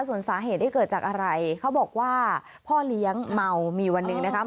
ส่วนสาเหตุที่เกิดจากอะไรเขาบอกว่าพ่อเลี้ยงเมามีวันหนึ่งนะคะ